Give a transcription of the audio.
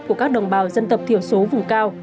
của các đồng bào dân tộc thiểu số vùng cao